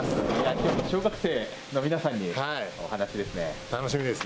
今日は小学生の皆さんにお話ですね。